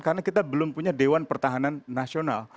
karena kita belum punya dewan pertahanan nasional